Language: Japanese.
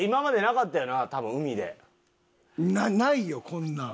ないよこんなん。